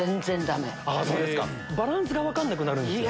バランスが分かんなくなるんですよね。